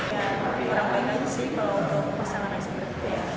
ya kurang lebih baik sih kalau untuk pesang anak seperti dia